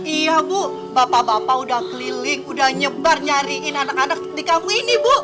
iya bu bapak bapak udah keliling udah nyebar nyariin anak anak di kampung ini bu